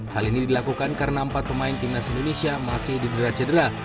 hal ini dilakukan karena empat pemain timnas indonesia masih di derajat derajat